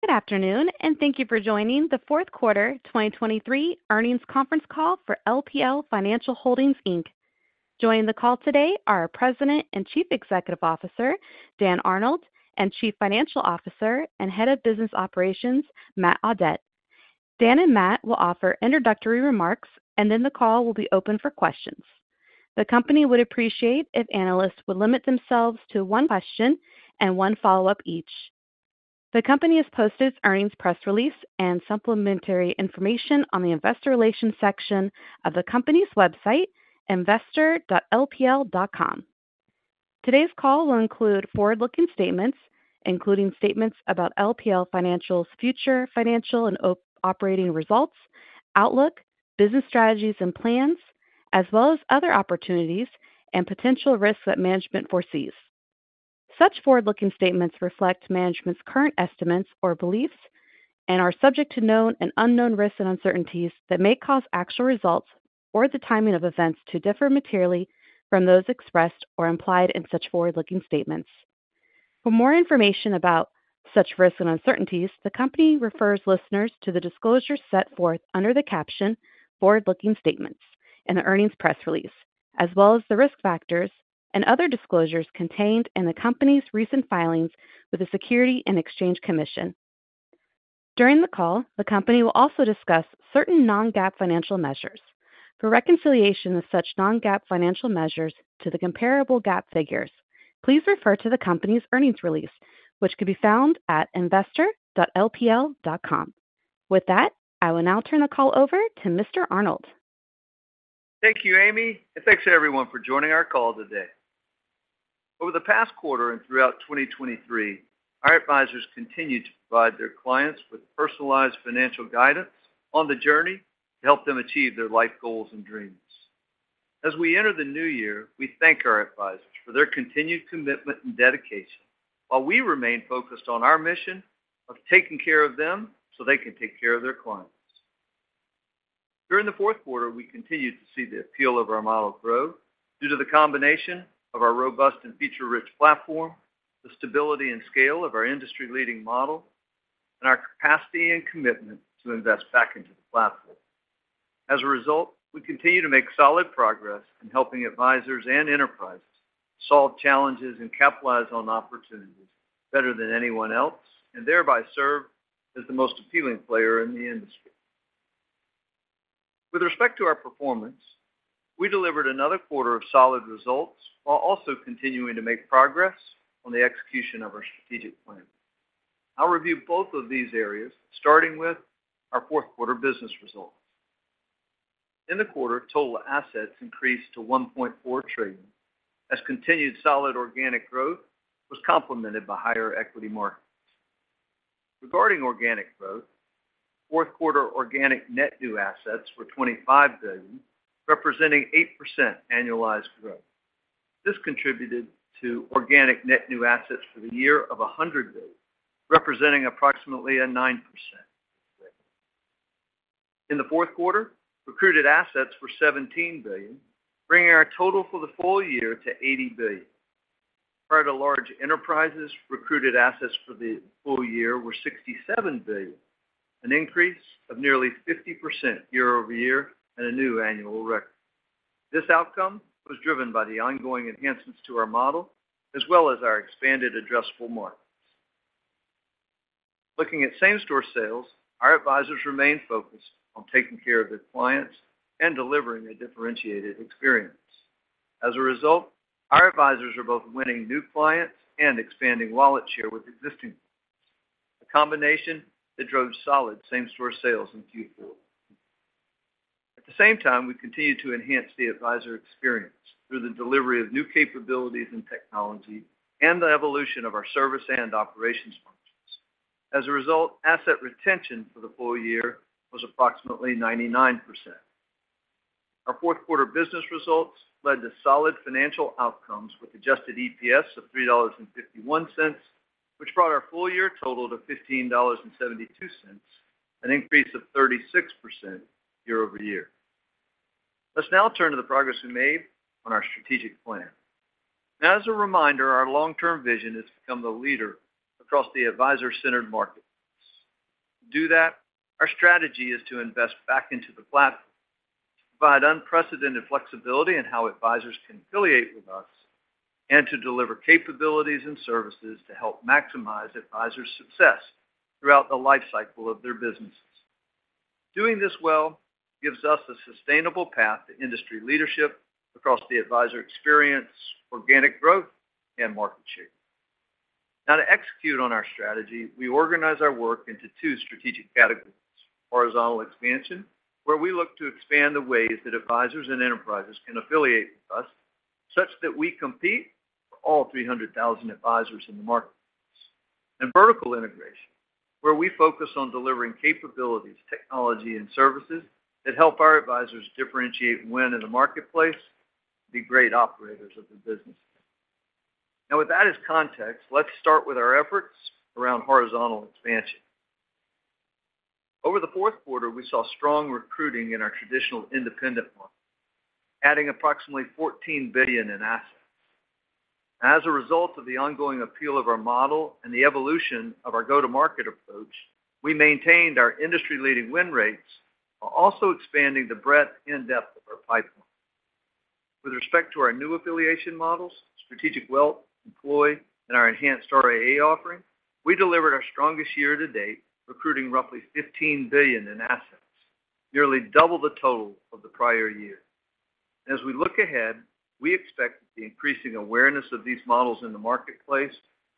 Good afternoon, and thank you for joining the fourth quarter 2023 earnings conference call for LPL Financial Holdings Inc. Joining the call today are our President and Chief Executive Officer, Dan Arnold, and Chief Financial Officer and Head of Business Operations, Matt Audette. Dan and Matt will offer introductory remarks, and then the call will be open for questions. The company would appreciate if analysts would limit themselves to one question and one follow-up each. The company has posted its earnings press release and supplementary information on the investor relations section of the company's website, investor.lpl.com. Today's call will include forward-looking statements, including statements about LPL Financial's future financial and operating results, outlook, business strategies and plans, as well as other opportunities and potential risks that management foresees. Such forward-looking statements reflect management's current estimates or beliefs and are subject to known and unknown risks and uncertainties that may cause actual results or the timing of events to differ materially from those expressed or implied in such forward-looking statements. For more information about such risks and uncertainties, the company refers listeners to the disclosures set forth under the caption "Forward-Looking Statements" in the earnings press release, as well as the risk factors and other disclosures contained in the company's recent filings with the Securities and Exchange Commission. During the call, the company will also discuss certain non-GAAP financial measures. For reconciliation of such non-GAAP financial measures to the comparable GAAP figures, please refer to the company's earnings release, which can be found at investor.lpl.com. With that, I will now turn the call over to Mr. Arnold. Thank you, Amy, and thanks, everyone, for joining our call today. Over the past quarter and throughout 2023, our advisors continued to provide their clients with personalized financial guidance on the journey to help them achieve their life goals and dreams. As we enter the new year, we thank our advisors for their continued commitment and dedication, while we remain focused on our mission of taking care of them so they can take care of their clients. During the fourth quarter, we continued to see the appeal of our model grow due to the combination of our robust and feature-rich platform, the stability and scale of our industry-leading model, and our capacity and commitment to invest back into the platform. As a result, we continue to make solid progress in helping advisors and enterprises solve challenges and capitalize on opportunities better than anyone else, and thereby serve as the most appealing player in the industry. With respect to our performance, we delivered another quarter of solid results while also continuing to make progress on the execution of our strategic plan. I'll review both of these areas, starting with our fourth quarter business results. In the quarter, total assets increased to $1.4 trillion, as continued solid organic growth was complemented by higher equity markets. Regarding organic growth, fourth quarter organic net new assets were $25 billion, representing 8% annualized growth. This contributed to organic net new assets for the year of $100 billion, representing approximately a 9%. In the fourth quarter, recruited assets were $17 billion, bringing our total for the full year to $80 billion. Excluding large enterprises, recruited assets for the full year were $67 billion, an increase of nearly 50% year-over-year and a new annual record. This outcome was driven by the ongoing enhancements to our model, as well as our expanded addressable markets. Looking at same-store sales, our advisors remain focused on taking care of their clients and delivering a differentiated experience. As a result, our advisors are both winning new clients and expanding wallet share with existing ones, a combination that drove solid same-store sales in Q4. At the same time, we continued to enhance the advisor experience through the delivery of new capabilities and technology and the evolution of our service and operations functions. As a result, asset retention for the full year was approximately 99%. Our fourth quarter business results led to solid financial outcomes, with Adjusted EPS of $3.51, which brought our full-year total to $15.72, an increase of 36% year-over-year. Let's now turn to the progress we made on our strategic plan. As a reminder, our long-term vision is to become the leader across the advisor-centered market. To do that, our strategy is to invest back into the platform, provide unprecedented flexibility in how advisors can affiliate with us, and to deliver capabilities and services to help maximize advisors' success throughout the lifecycle of their businesses. Doing this well gives us a sustainable path to industry leadership across the advisor experience, organic growth, and market share. Now, to execute on our strategy, we organize our work into two strategic categories: horizontal expansion, where we look to expand the ways that advisors and enterprises can affiliate with us, such that we compete for all 300,000 advisors in the marketplace. And vertical integration, where we focus on delivering capabilities, technology, and services that help our advisors differentiate when in the marketplace to be great operators of the business. Now, with that as context, let's start with our efforts around horizontal expansion. Over the fourth quarter, we saw strong recruiting in our traditional independent model, adding approximately $14 billion in assets. As a result of the ongoing appeal of our model and the evolution of our go-to-market approach, we maintained our industry-leading win rates, while also expanding the breadth and depth of our pipeline. With respect to our new affiliation models, Strategic Wealth, employee, and our enhanced RIA offering, we delivered our strongest year to date, recruiting roughly $15 billion in assets, nearly double the total of the prior year. As we look ahead, we expect that the increasing awareness of these models in the marketplace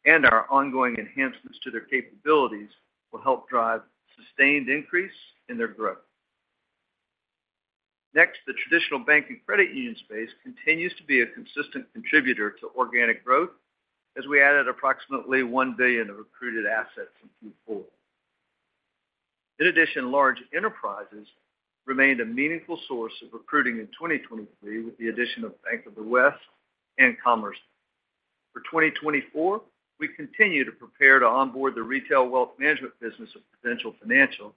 and our ongoing enhancements to their capabilities will help drive sustained increase in their growth. Next, the traditional bank and credit union space continues to be a consistent contributor to organic growth as we added approximately $1 billion of recruited assets in Q4. In addition, large enterprises remained a meaningful source of recruiting in 2023, with the addition of Bank of the West and Commerce. For 2024, we continue to prepare to onboard the retail wealth management business of Prudential Financial.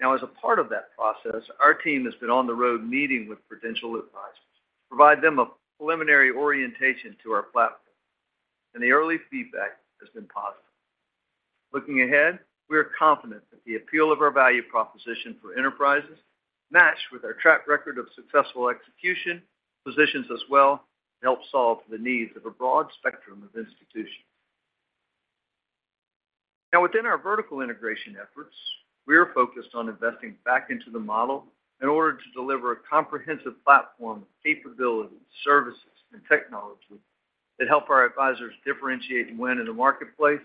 Now, as a part of that process, our team has been on the road meeting with Prudential Advisors to provide them a preliminary orientation to our platform, and the early feedback has been positive. Looking ahead, we are confident that the appeal of our value proposition for enterprises, matched with our track record of successful execution, positions us well to help solve the needs of a broad spectrum of institutions. Now, within our vertical integration efforts, we are focused on investing back into the model in order to deliver a comprehensive platform of capabilities, services, and technology that help our advisors differentiate and win in the marketplace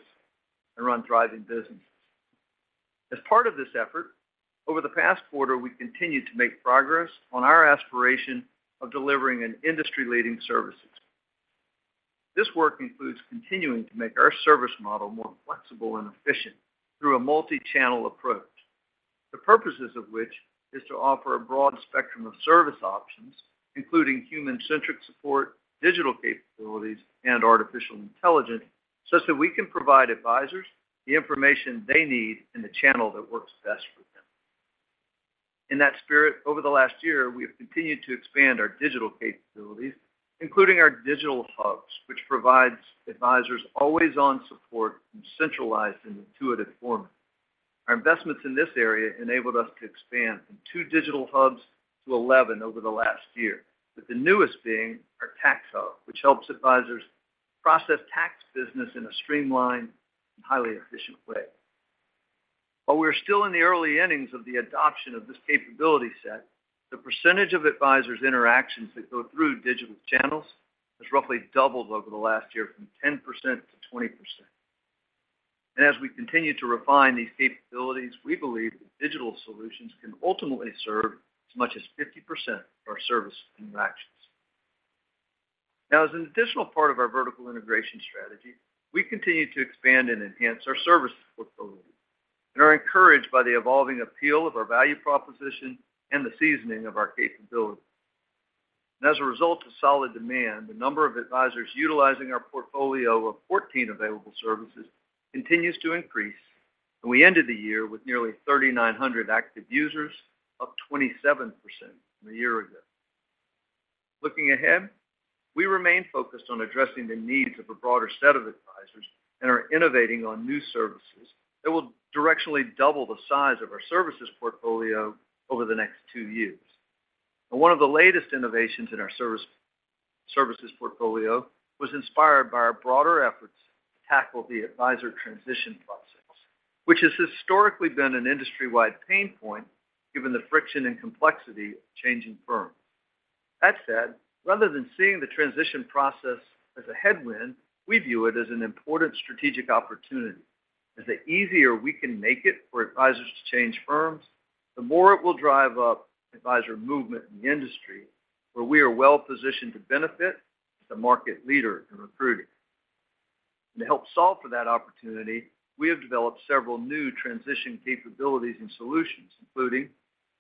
and run thriving businesses. As part of this effort, over the past quarter, we've continued to make progress on our aspiration of delivering an industry-leading services. This work includes continuing to make our service model more flexible and efficient through a multi-channel approach. The purposes of which is to offer a broad spectrum of service options, including human-centric support, digital capabilities, and artificial intelligence, such that we can provide advisors the information they need in the channel that works best for them. In that spirit, over the last year, we have continued to expand our digital capabilities, including our digital hubs, which provides advisors always-on support in a centralized and intuitive format. Our investments in this area enabled us to expand from two digital hubs to 11 over the last year, with the newest being our Tax Hub, which helps advisors process tax business in a streamlined and highly efficient way. While we are still in the early innings of the adoption of this capability set, the percentage of advisors interactions that go through digital channels has roughly doubled over the last year from 10% to 20%. As we continue to refine these capabilities, we believe that digital solutions can ultimately serve as much as 50% of our service interactions. Now, as an additional part of our vertical integration strategy, we continue to expand and enhance our services portfolio and are encouraged by the evolving appeal of our value proposition and the seasoning of our capabilities. As a result of solid demand, the number of advisors utilizing our portfolio of 14 available services continues to increase, and we ended the year with nearly 3,900 active users, up 27% from a year ago. Looking ahead, we remain focused on addressing the needs of a broader set of advisors and are innovating on new services that will directionally double the size of our services portfolio over the next two years. One of the latest innovations in our services portfolio was inspired by our broader efforts to tackle the advisor transition process, which has historically been an industry-wide pain point, given the friction and complexity of changing firms. That said, rather than seeing the transition process as a headwind, we view it as an important strategic opportunity, as the easier we can make it for advisors to change firms, the more it will drive up advisor movement in the industry, where we are well positioned to benefit as the market leader in recruiting. To help solve for that opportunity, we have developed several new transition capabilities and solutions, including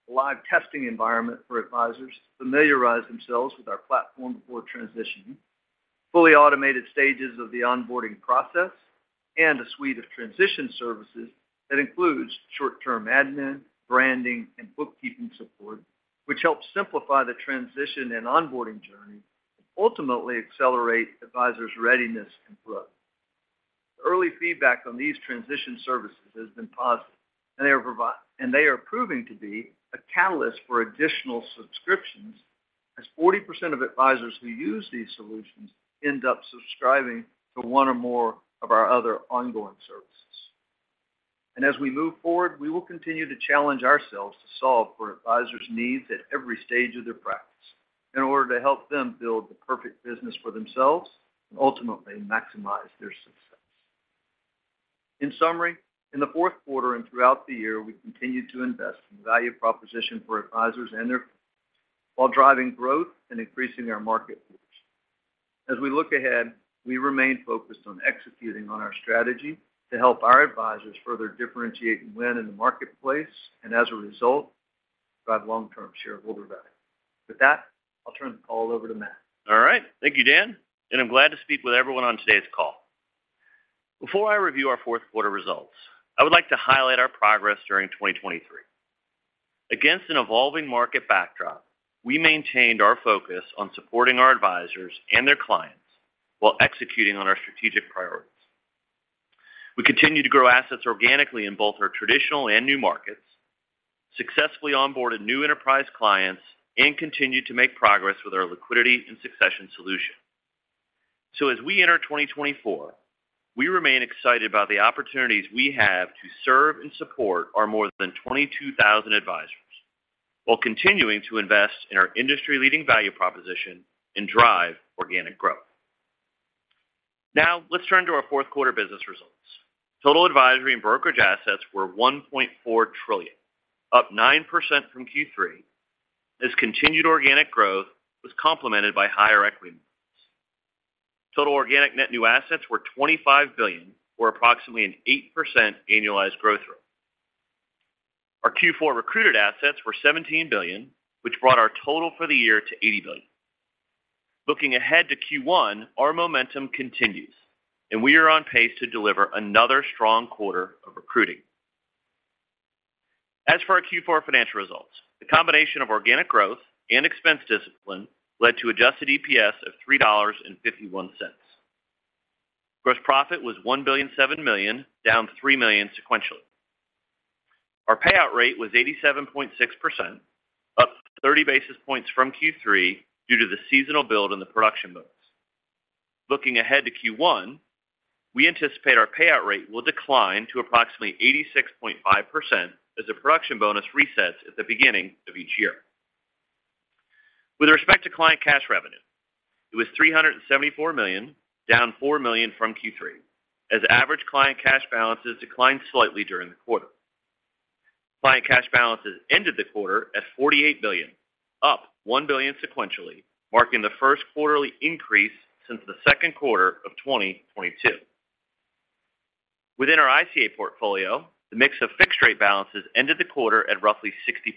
a live testing environment for advisors to familiarize themselves with our platform before transitioning, fully automated stages of the onboarding process, and a suite of transition services that includes short-term admin, branding, and bookkeeping support, which helps simplify the transition and onboarding journey and ultimately accelerate advisors' readiness and growth. Early feedback on these transition services has been positive, and they are proving to be a catalyst for additional subscriptions, as 40% of advisors who use these solutions end up subscribing to one or more of our other ongoing services. As we move forward, we will continue to challenge ourselves to solve for advisors' needs at every stage of their practice in order to help them build the perfect business for themselves and ultimately maximize their success. In summary, in the fourth quarter and throughout the year, we continued to invest in the value proposition for advisors, and while driving growth and increasing our market reach. As we look ahead, we remain focused on executing on our strategy to help our advisors further differentiate and win in the marketplace. As a result, drive long-term shareholder value. With that, I'll turn the call over to Matt. All right. Thank you, Dan, and I'm glad to speak with everyone on today's call. Before I review our fourth quarter results, I would like to highlight our progress during 2023. Against an evolving market backdrop, we maintained our focus on supporting our advisors and their clients while executing on our strategic priorities. We continued to grow assets organically in both our traditional and new markets, successfully onboarded new enterprise clients, and continued to make progress Liquidity & Succession solution. so as we enter 2024, we remain excited about the opportunities we have to serve and support our more than 22,000 advisors, while continuing to invest in our industry-leading value proposition and drive organic growth. Now, let's turn to our fourth quarter business results. Total advisory and brokerage assets were $1.4 trillion, up 9% from Q3, as continued organic growth was complemented by higher equity. Total organic net new assets were $25 billion, or approximately an 8% annualized growth rate. Our Q4 recruited assets were $17 billion, which brought our total for the year to $80 billion. Looking ahead to Q1, our momentum continues, and we are on pace to deliver another strong quarter of recruiting. As for our Q4 financial results, the combination of organic growth and expense discipline led to adjusted EPS of $3.51. Gross profit was $1.007 billion, down $3 million sequentially. Our payout rate was 87.6%, up 30 basis points from Q3 due to the seasonal build in the production bonus. Looking ahead to Q1, we anticipate our payout rate will decline to approximately 86.5% as the production bonus resets at the beginning of each year. With respect to client cash revenue, it was $374 million, down $4 million from Q3, as average client cash balances declined slightly during the quarter. Client cash balances ended the quarter at $48 billion, up $1 billion sequentially, marking the first quarterly increase since the second quarter of 2022. Within our ICA portfolio, the mix of fixed-rate balances ended the quarter at roughly 60%,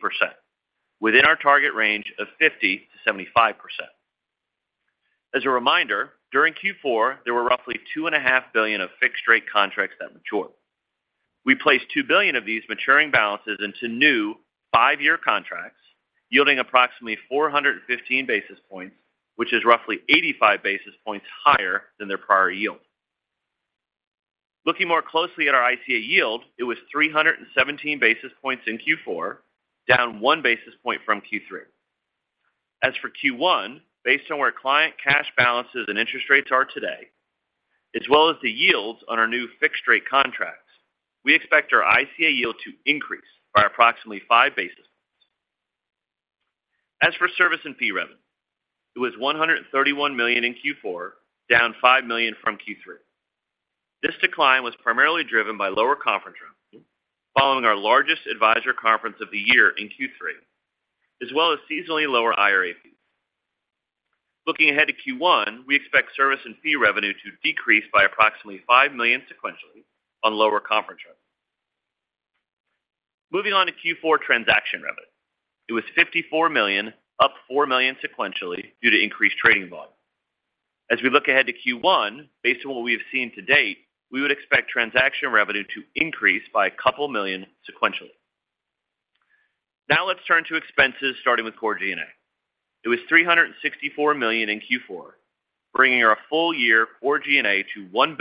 within our target range of 50% to 75%. As a reminder, during Q4, there were roughly $2.5 billion of fixed-rate contracts that matured. We placed $2 billion of these maturing balances into new five-year contracts, yielding approximately 415 basis points, which is roughly 85 basis points higher than their prior yield. Looking more closely at our ICA yield, it was 317 basis points in Q4, down one basis point from Q3. As for Q1, based on where client cash balances and interest rates are today, as well as the yields on our new fixed-rate contracts, we expect our ICA yield to increase by approximately 5 basis points. As for service and fee revenue, it was $131 million in Q4, down $5 million from Q3. This decline was primarily driven by lower conference revenue, following our largest advisor conference of the year in Q3, as well as seasonally lower IRA fees. Looking ahead to Q1, we expect service and fee revenue to decrease by approximately $5 million sequentially on lower conference revenue. Moving on to Q4 transaction revenue, it was $54 million, up $4 million sequentially due to increased trading volume. As we look ahead to Q1, based on what we have seen to date, we would expect transaction revenue to increase by $2 million sequentially. Now let's turn to expenses, starting with core G&A. It was $364 million in Q4, bringing our full year core G&A to $1.369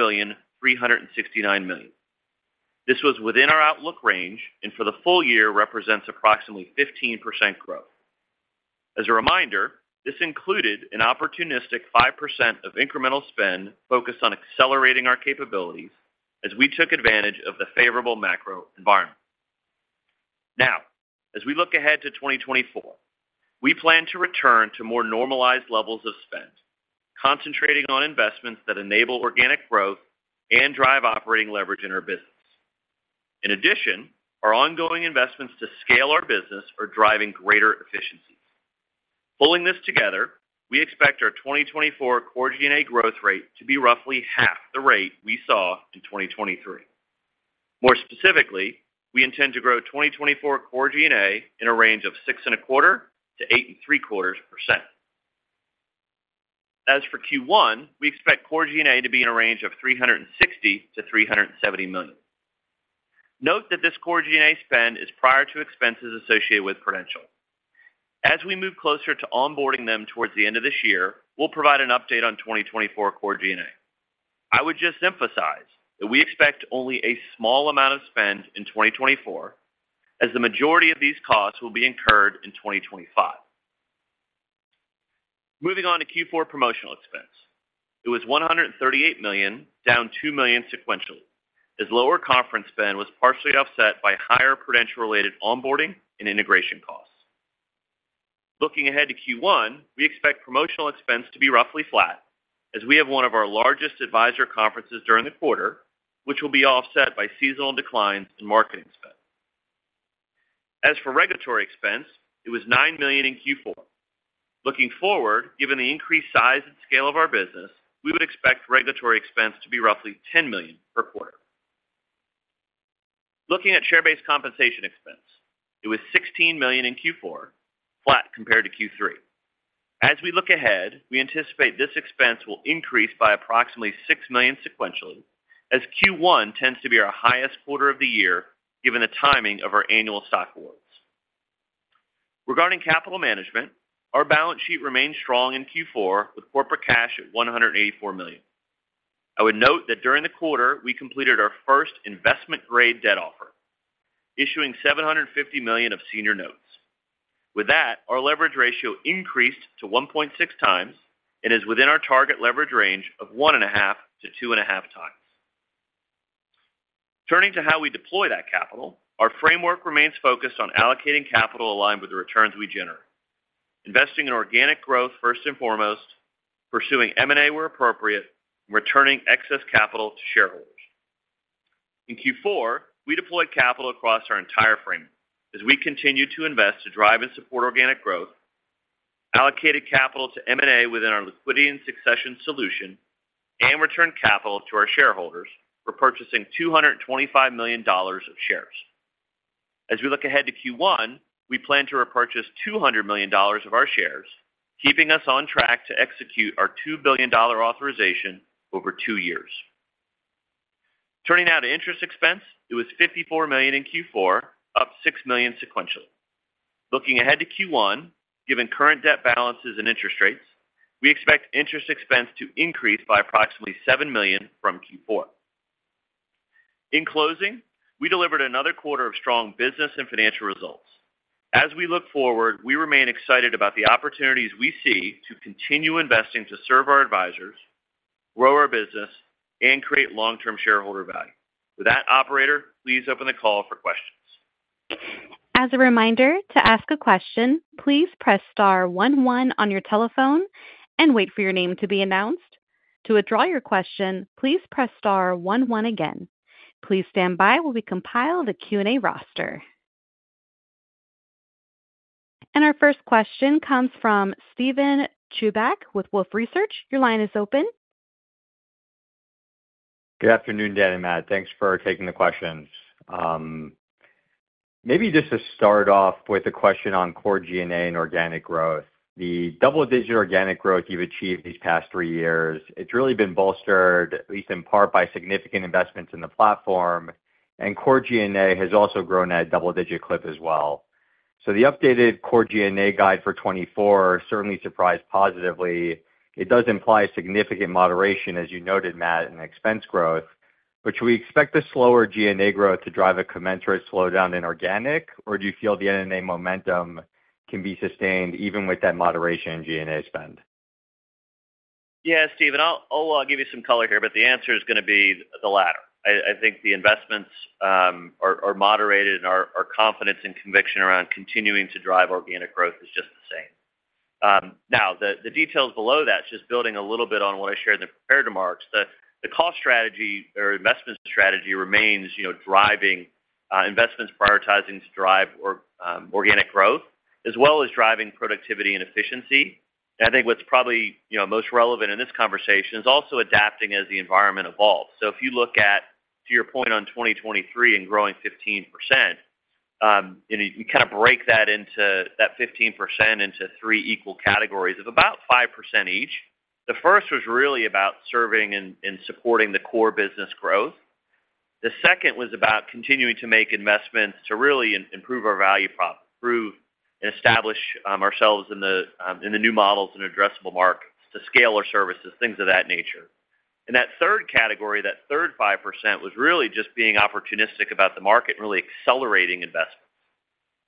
billion. This was within our outlook range, and for the full year, represents approximately 15% growth. As a reminder, this included an opportunistic 5% of incremental spend focused on accelerating our capabilities as we took advantage of the favorable macro environment. Now, as we look ahead to 2024, we plan to return to more normalized levels of spend, concentrating on investments that enable organic growth and drive operating leverage in our business. In addition, our ongoing investments to scale our business are driving greater efficiency. Pulling this together, we expect our 2024 Core G&A growth rate to be roughly half the rate we saw in 2023. More specifically, we intend to grow 2024 Core G&A in a range of 6.25% to 8.75%. As for Q1, we expect Core G&A to be in a range of $360 million to $370 million. Note that this Core G&A spend is prior to expenses associated with Prudential. As we move closer to onboarding them towards the end of this year, we'll provide an update on 2024 Core G&A. I would just emphasize that we expect only a small amount of spend in 2024, as the majority of these costs will be incurred in 2025. Moving on to Q4 promotional expense. It was $138 million, down $2 million sequentially, as lower conference spend was partially offset by higher Prudential-related onboarding and integration costs. Looking ahead to Q1, we expect promotional expense to be roughly flat, as we have one of our largest advisor conferences during the quarter, which will be offset by seasonal declines in marketing spend. As for regulatory expense, it was $9 million in Q4. Looking forward, given the increased size and scale of our business, we would expect regulatory expense to be roughly $10 million per quarter. Looking at share-based compensation expense, it was $16 million in Q4, flat compared to Q3. As we look ahead, we anticipate this expense will increase by approximately $6 million sequentially, as Q1 tends to be our highest quarter of the year, given the timing of our annual stock awards. Regarding capital management, our balance sheet remained strong in Q4, with corporate cash at $184 million. I would note that during the quarter, we completed our first investment-grade debt offer, issuing $750 million of senior notes. With that, our leverage ratio increased to 1.6 times and is within our target leverage range of 1.5 to 2.5 times. Turning to how we deploy that capital, our framework remains focused on allocating capital aligned with the returns we generate. Investing in organic growth first and foremost, pursuing M&A where appropriate, and returning excess capital to shareholders. In Q4, we deployed capital across our entire framework as we continued to invest to drive and support organic growth, allocated capital to M&A Liquidity & Succession solution, and returned capital to our shareholders, repurchasing $225 million of shares. As we look ahead to Q1, we plan to repurchase $200 million of our shares, keeping us on track to execute our $2 billion authorization over two years. Turning now to interest expense, it was $54 million in Q4, up $6 million sequentially. Looking ahead to Q1, given current debt balances and interest rates, we expect interest expense to increase by approximately $7 million from Q4. In closing, we delivered another quarter of strong business and financial results. As we look forward, we remain excited about the opportunities we see to continue investing to serve our advisors, grow our business, and create long-term shareholder value. With that, operator, please open the call for questions. As a reminder, to ask a question, please press star one one on your telephone and wait for your name to be announced. To withdraw your question, please press star one one again. Please stand by while we compile the Q&A roster. Our first question comes from Steven Chubak with Wolfe Research. Your line is open. Good afternoon, Dan and Matt. Thanks for taking the questions. Maybe just to start off with a question on Core G&A and organic growth. The double-digit organic growth you've achieved these past three years, it's really been bolstered, at least in part, by significant investments in the platform, and Core G&A has also grown at a double-digit clip as well. The updated Core G&A guide for 2024 certainly surprised positively. It does imply significant moderation, as you noted, Matt, in expense growth. But should we expect the slower G&A growth to drive a commensurate slowdown in organic, or do you feel the NNA momentum can be sustained even with that moderation in G&A spend? Yeah, Steven, I'll give you some color here, but the answer is going to be the latter. I think the investments are moderated and our confidence and conviction around continuing to drive organic growth is just the same. Now, the details below that, just building a little bit on what I shared in the prepared remarks, the cost strategy or investment strategy remains, you know, driving investments, prioritizing to drive organic growth, as well as driving productivity and efficiency. I think what's probably, you know, most relevant in this conversation is also adapting as the environment evolves. So if you look at, to your point on 2023 and growing 15%, and you kind of break that into that 15% into three equal categories of about 5% each. The first was really about serving and supporting the core business growth. The second was about continuing to make investments to really improve our value prop, improve and establish ourselves in the new models and addressable markets, to scale our services, things of that nature. And that third category, that third 5%, was really just being opportunistic about the market and really accelerating investments.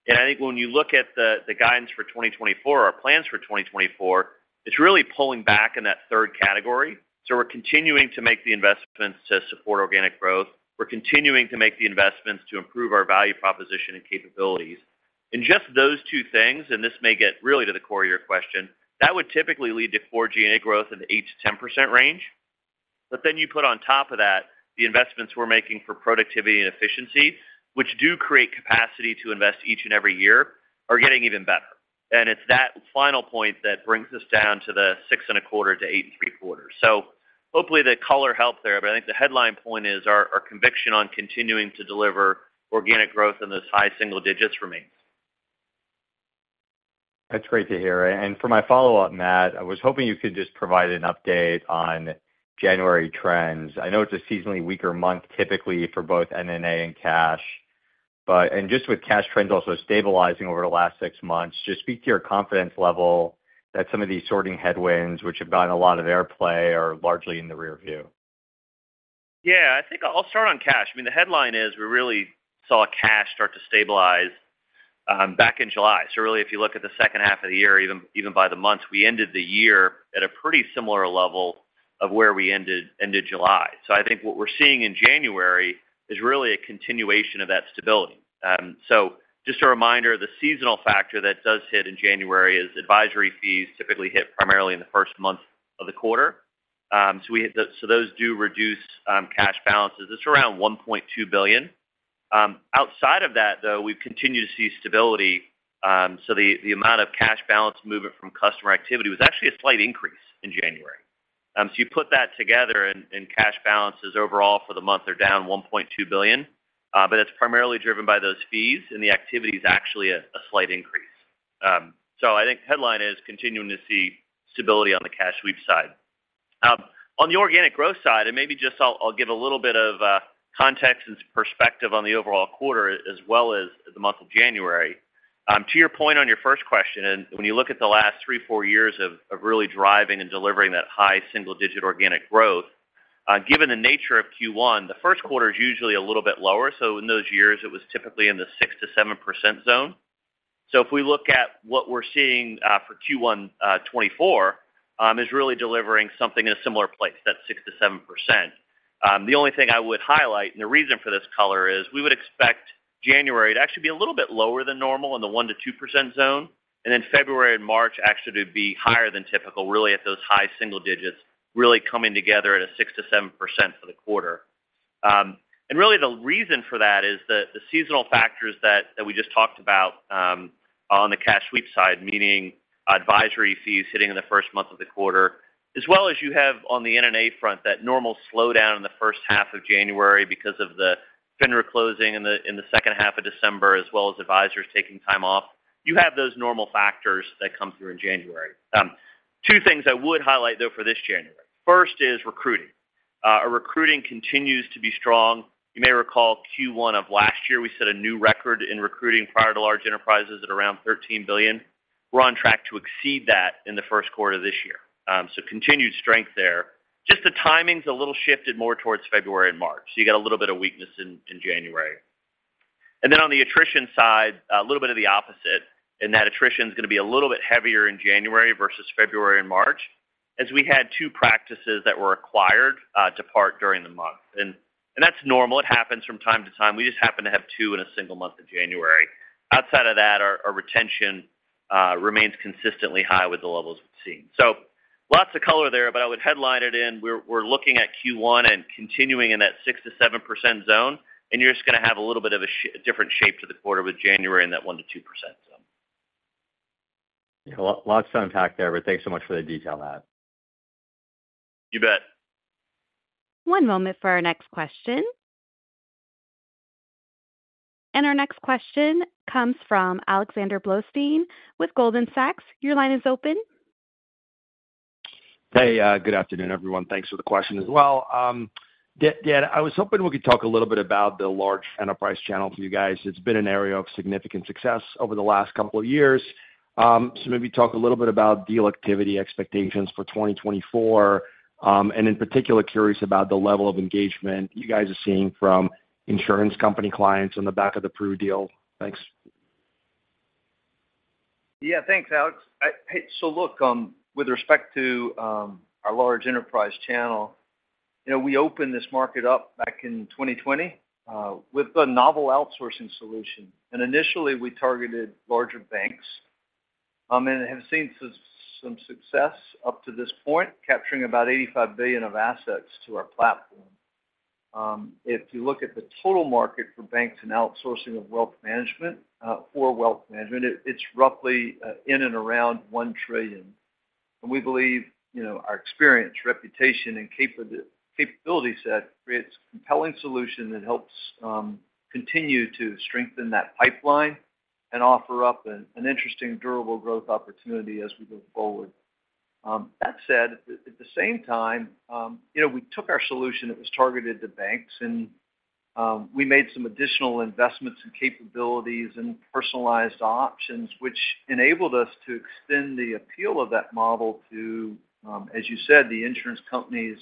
And I think when you look at the guidance for 2024, our plans for 2024, it's really pulling back in that third category. So we're continuing to make the investments to support organic growth. We're continuing to make the investments to improve our value proposition and capabilities. Just those two things, and this may get really to the core of your question, that would typically lead to Core G&A growth in the 8% to 10% range. But then you put on top of that, the investments we're making for productivity and efficiency, which do create capacity to invest each and every year, are getting even better. And it's that final point that brings us down to the 6.25% to 8.75%. So hopefully, the color helped there, but I think the headline point is our conviction on continuing to deliver organic growth in this high single digits remains. That's great to hear. For my follow-up, Matt, I was hoping you could just provide an update on January trends. I know it's a seasonally weaker month, typically for both NNA and cash, but, and just with cash trends also stabilizing over the last six months, just speak to your confidence level that some of these sorting headwinds, which have gotten a lot of airplay, are largely in the rearview. Yeah, I think I'll start on cash. I mean, the headline is we really saw cash start to stabilize back in July. So really, if you look at the second half of the year, even by the month, we ended the year at a pretty similar level of where we ended July. So I think what we're seeing in January is really a continuation of that stability. So just a reminder, the seasonal factor that does hit in January is advisory fees typically hit primarily in the first month of the quarter. So those do reduce cash balances. It's around $1.2 billion. Outside of that, though, we've continued to see stability, so the amount of cash balance movement from customer activity was actually a slight increase in January. So you put that together, and cash balances overall for the month are down $1.2 billion. But it's primarily driven by those fees, and the activity is actually a slight increase. So I think the headline is continuing to see stability on the cash sweep side. On the organic growth side, and maybe just I'll give a little bit of context and perspective on the overall quarter, as well as the month of January. To your point on your first question, and when you look at the last three to four years of really driving and delivering that high single-digit organic growth, given the nature of Q1, the first quarter is usually a little bit lower. So in those years, it was typically in the 6% to 7% zone. So if we look at what we're seeing for Q1 2024 is really delivering something in a similar place. That's 6% to 7%. The only thing I would highlight, and the reason for this color is, we would expect January to actually be a little bit lower than normal in the 1% to 2% zone, and then February and March actually to be higher than typical, really at those high single digits, really coming together at a 6% to 7% for the quarter. And really the reason for that is that the seasonal factors that, that we just talked about, on the cash sweep side, meaning advisory fees hitting in the first month of the quarter, as well as you have on the NNA front, that normal slowdown in the first half of January because of the year-end closing in the, in the second half of December, as well as advisors taking time off. You have those normal factors that come through in January. Two things I would highlight, though, for this January. First is recruiting. Our recruiting continues to be strong. You may recall Q1 of last year, we set a new record in recruiting prior to large enterprises at around $13 billion. We're on track to exceed that in the first quarter of this year. So continued strength there. Just the timing's a little shifted more towards February and March, so you get a little bit of weakness in January. Then on the attrition side, a little bit of the opposite, and that attrition is going to be a little bit heavier in January versus February and March, as we had two practices that were acquired to depart during the month. And that's normal. It happens from time to time. We just happen to have two in a single month of January. Outside of that, our retention remains consistently high with the levels we've seen. So lots of color there, but I would headline it in. We're looking at Q1 and continuing in that 6% to 7% zone, and you're just going to have a little bit of a different shape to the quarter with January in that 1% to 2% zone. Yeah, lots to unpack there, but thanks so much for the detail, Matt. You bet. One moment for our next question. Our next question comes from Alexander Blostein with Goldman Sachs. Your line is open. Hey, good afternoon, everyone. Thanks for the question as well. Yeah, yeah, I was hoping we could talk a little bit about the large enterprise channel for you guys. It's been an area of significant success over the last couple of years. So maybe talk a little bit about deal activity expectations for 2024, and in particular, curious about the level of engagement you guys are seeing from insurance company clients on the back of the approved deal. Thanks. Yeah, thanks, Alex. Hey, so look, with respect to our large enterprise channel, you know, we opened this market up back in 2020 with a novel outsourcing solution. And initially, we targeted larger banks and have seen some success up to this point, capturing about $85 billion of assets to our platform. If you look at the total market for banks and outsourcing of wealth management for wealth management, it's roughly in and around $1 trillion. And we believe, you know, our experience, reputation, and capability set creates a compelling solution that helps continue to strengthen that pipeline and offer up an interesting, durable growth opportunity as we move forward. That said, at the same time, you know, we took our solution that was targeted to banks and we made some additional investments and capabilities and personalized options, which enabled us to extend the appeal of that model to, as you said, the insurance companies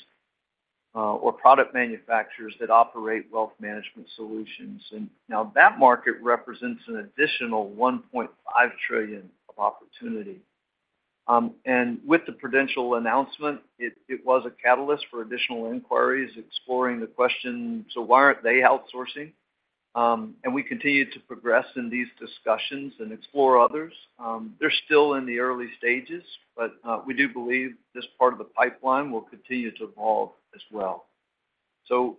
or product manufacturers that operate wealth management solutions. And now that market represents an additional $1.5 trillion of opportunity. And with the Prudential announcement, it was a catalyst for additional inquiries, exploring the question, So why aren't they outsourcing? And we continue to progress in these discussions and explore others. They're still in the early stages, but we do believe this part of the pipeline will continue to evolve as well. So,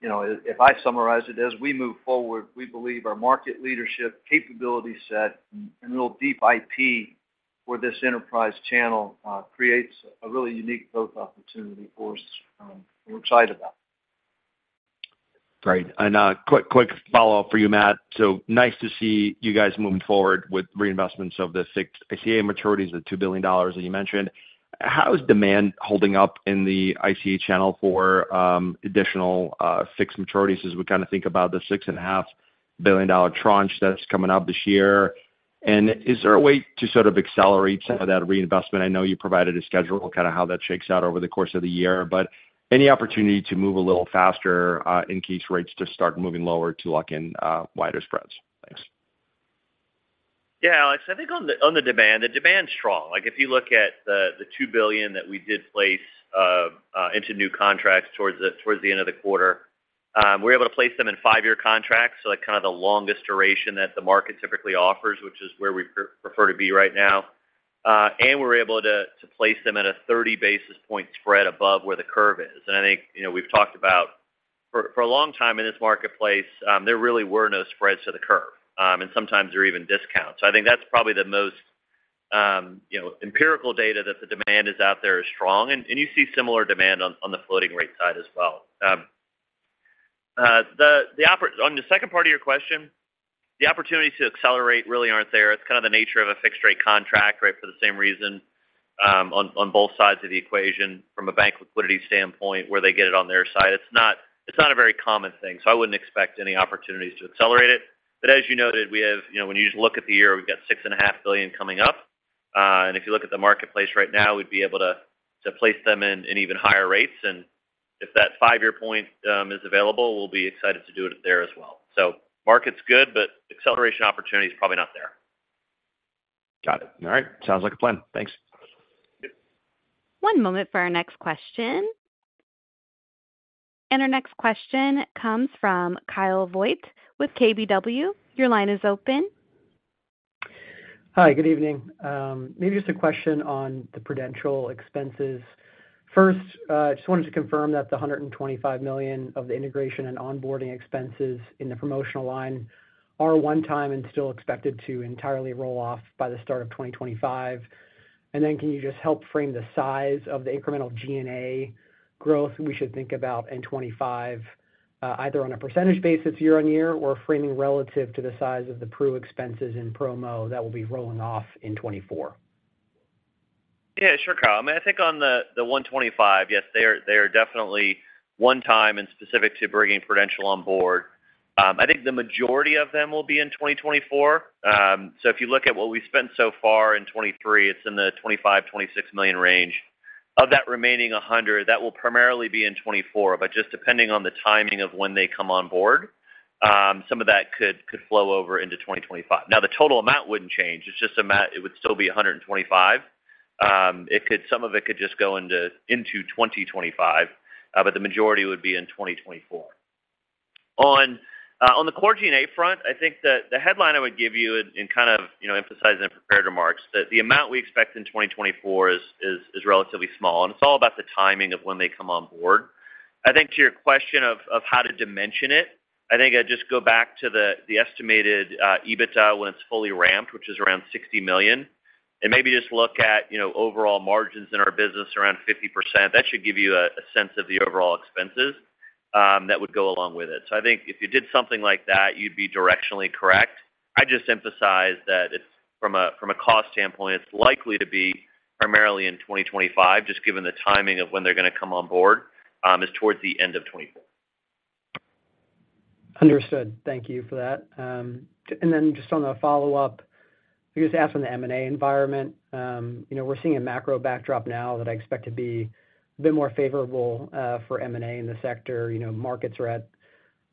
you know, if I summarize it, as we move forward, we believe our market leadership, capability set, and real deep IP for this enterprise channel creates a really unique growth opportunity for us, we're excited about. Great. And, quick, quick follow-up for you, Matt. So nice to see you guys moving forward with reinvestments of the fixed ICA maturities of $2 billion that you mentioned. How is demand holding up in the ICA channel for additional fixed maturities as we kind of think about the $6.5 billion tranche that's coming up this year? And is there a way to sort of accelerate some of that reinvestment? I know you provided a schedule, kind of how that shakes out over the course of the year, but any opportunity to move a little faster in case rates just start moving lower to lock in wider spreads? Thanks. Yeah, Alex, I think on the demand, the demand's strong. Like, if you look at the $2 billion that we did place into new contracts towards the end of the quarter, we're able to place them in five-year contracts, so like, kind of the longest duration that the market typically offers, which is where we prefer to be right now. And we're able to place them at a 30 basis point spread above where the curve is. And I think, you know, we've talked about for a long time in this marketplace, there really were no spreads to the curve, and sometimes there were even discounts. So I think that's probably the most, you know, empirical data that the demand is out there is strong, and, and you see similar demand on, on the floating rate side as well. On the second part of your question, the opportunities to accelerate really aren't there. It's kind of the nature of a fixed-rate contract, right? For the same reason, on, on both sides of the equation, from a bank liquidity standpoint, where they get it on their side. It's not, it's not a very common thing, so I wouldn't expect any opportunities to accelerate it. But as you noted, we have, you know, when you just look at the year, we've got $6.5 billion coming up. And if you look at the marketplace right now, we'd be able to, to place them in, in even higher rates. And if that five-year point is available, we'll be excited to do it there as well. So market's good, but acceleration opportunity is probably not there. Got it. All right. Sounds like a plan. Thanks. One moment for our next question. Our next question comes from Kyle Voigt with KBW. Your line is open. Hi, good evening. Maybe just a question on the Prudential expenses. First, just wanted to confirm that the $125 million of the integration and onboarding expenses in the promotional line are one-time and still expected to entirely roll off by the start of 2025. And then can you just help frame the size of the incremental G&A growth we should think about in 2025, either on a percentage basis year-on-year, or framing relative to the size of the Pru expenses in promo that will be rolling off in 2024? Yeah, sure, Kyle. I mean, I think on the 125, yes, they are definitely one time and specific to bringing Prudential on board. I think the majority of them will be in 2024. So if you look at what we've spent so far in 2023, it's in the $25 to $26 million range. Of that remaining 100, that will primarily be in 2024, but just depending on the timing of when they come on board, some of that could flow over into 2025. Now, the total amount wouldn't change. It's just amount, it would still be 125. Some of it could just go into 2025, but the majority would be in 2024. On the Core G&A front, I think that the headline I would give you and kind of, you know, emphasize in the prepared remarks, that the amount we expect in 2024 is relatively small, and it's all about the timing of when they come on board. I think to your question of how to dimension it, I think I'd just go back to the estimated EBITDA when it's fully ramped, which is around $60 million. And maybe just look at, you know, overall margins in our business around 50%. That should give you a sense of the overall expenses that would go along with it. So I think if you did something like that, you'd be directionally correct. I just emphasize that it's from a cost standpoint, it's likely to be primarily in 2025, just given the timing of when they're going to come on board is towards the end of 2024. Understood. Thank you for that. Just on a follow-up, I guess asking the M&A environment, you know, we're seeing a macro backdrop now that I expect to be a bit more favorable for M&A in the sector. You know, markets are at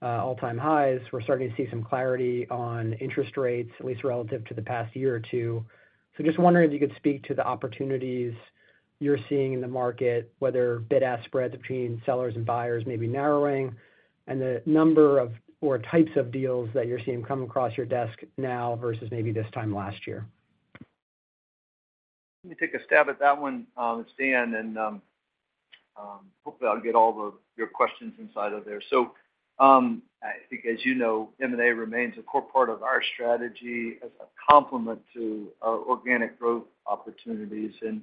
all-time highs. We're starting to see some clarity on interest rates, at least relative to the past year or two. Just wondering if you could speak to the opportunities you're seeing in the market, whether bid-ask spreads between sellers and buyers may be narrowing, and the number of or types of deals that you're seeing come across your desk now versus maybe this time last year. Let me take a stab at that one stand and, hopefully, I'll get all the, your questions inside of there. So, I think, as you know, M&A remains a core part of our strategy as a complement to our organic growth opportunities. And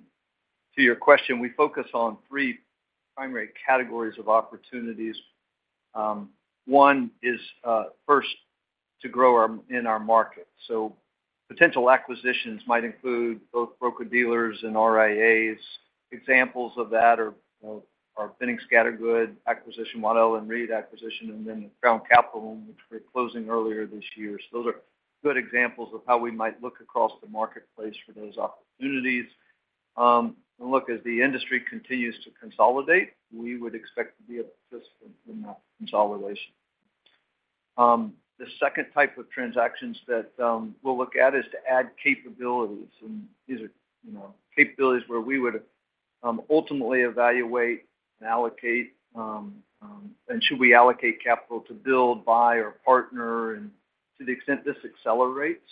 to your question, we focus on three primary categories of opportunities. One is, first, to grow our in our market. So potential acquisitions might include both broker-dealers and RIAs. Examples of that are, you know, our Boenning & Scattergood acquisition, Waddell & Reed acquisition, and then the Crown Capital, which we're closing earlier this year. So those are good examples of how we might look across the marketplace for those opportunities. And look, as the industry continues to consolidate, we would expect to be able to assist in that consolidation. The second type of transactions that we'll look at is to add capabilities. And these are, you know, capabilities where we would ultimately evaluate and allocate and should we allocate capital to build, buy or partner? And to the extent this accelerates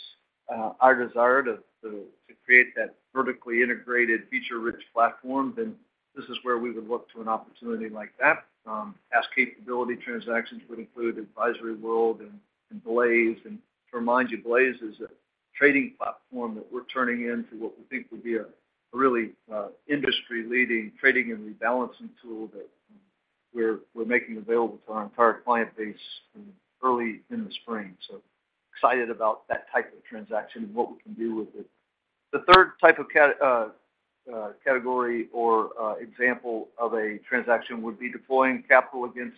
our desire to create that vertically integrated, feature-rich platform, then this is where we would look to an opportunity like that. As capability transactions would include AdvisoryWorld and Blaze. And to remind you, Blaze is a trading platform that we're turning into what we think would be a really industry-leading trading and rebalancing tool that we're making available to our entire client base in early spring. So excited about that type of transaction and what we can do with it. The third type of category or example of a transaction would be deploying capital against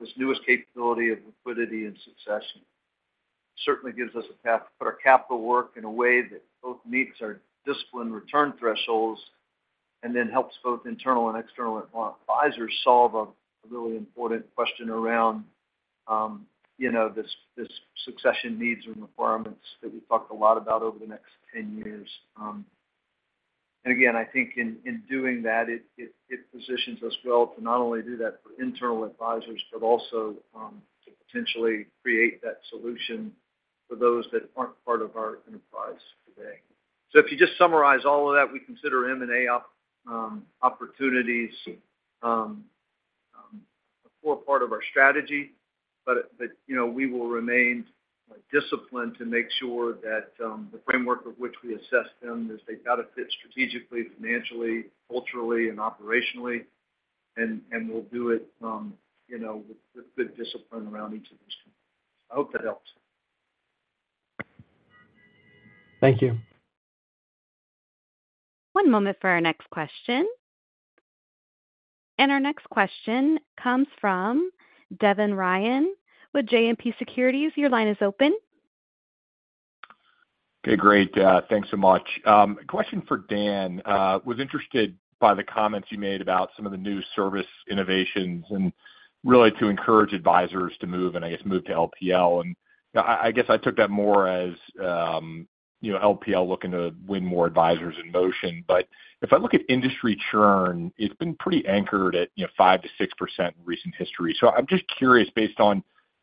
this newest Liquidity & Succession. certainly gives us a path to put our capital work in a way that both meets our discipline return thresholds and then helps both internal and external advisors solve a really important question around, you know, this succession needs and requirements that we've talked a lot about over the next 10 years. And again, I think in doing that, it positions us well to not only do that for internal advisors, but also to potentially create that solution for those that aren't part of our enterprise today. So if you just summarize all of that, we consider M&A opportunities a core part of our strategy. But, you know, we will remain disciplined to make sure that the framework of which we assess them is they've got to fit strategically, financially, culturally, and operationally, and we'll do it, you know, with good discipline around each of those two. I hope that helps. Thank you. One moment for our next question. Our next question comes from Devin Ryan with JMP Securities. Your line is open. Okay, great. Thanks so much. Question for Dan. Was interested by the comments you made about some of the new service innovations and really to encourage advisors to move, and I guess, move to LPL. And I, I guess I took that more as, you know, LPL looking to win more advisors in motion. But if I look at industry churn, it's been pretty anchored at, you know, 5% to 6% in recent history. So I'm just curious, based